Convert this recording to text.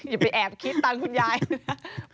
อย่าไปแอบคิดตังค์คุณยายนะ